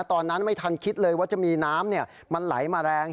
ตอนนั้นไม่ทันคิดเลยว่าจะมีน้ำมันไหลมาแรง